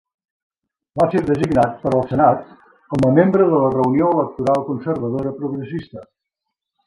Va ser designat per al senat, com a membre de la reunió electoral conservadora progressista.